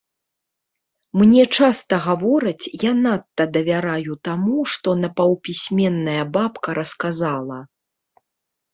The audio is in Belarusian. Мне часта гавораць, я надта давяраю таму, што напаўпісьменная бабка расказала.